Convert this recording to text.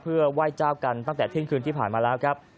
เพื่อไหว้เจ้ากันตั้งแต่เที่ยงคืนที่ผ่านมาแล้วครับ